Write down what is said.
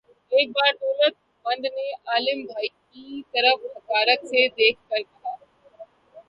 ایک بار دولت مند نے عالم بھائی کی طرف حقارت سے دیکھ کر کہا